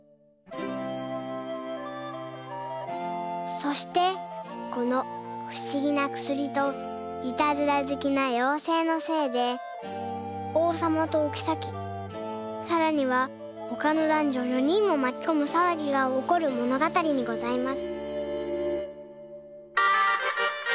そしてこのふしぎなくすりといたずらずきなようせいのせいでおうさまとおきさきさらにはほかのだんじょ４にんもまきこむさわぎがおこるものがたりにございます。